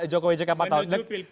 jokowi jk empat tahun